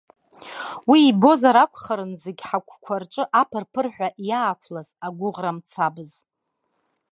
Уи ибозар акәхарын зегь ҳагәқәа рҿы аԥырԥырҳәа иаақәлаз агәыӷра мцабз.